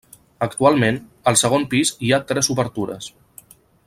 Actualment, al segon pis hi ha tres obertures.